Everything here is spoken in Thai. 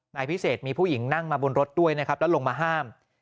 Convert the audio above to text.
นายพิเศษมีผู้หญิงนั่งมาบนรถด้วยนะครับแล้วลงมาห้าม